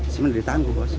semua ditahan bos